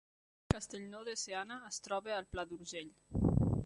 Castellnou de Seana es troba al Pla d’Urgell